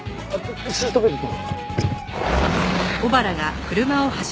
シートベルト。